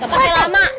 gak pake lama